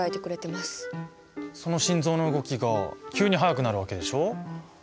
その心臓の動きが急に速くなるわけでしょ。